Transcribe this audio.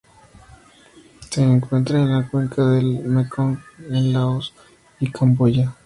Se encuentra en la cuenca del Mekong en Laos y Camboya.